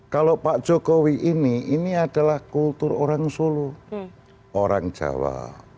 kalau pak jokowi ini ini adalah kultur orang solo orang jawa